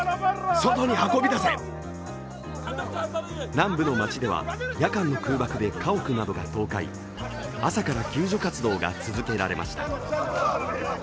南部の街では夜間の空爆で家屋などが倒壊、朝から救助活動が続けられました。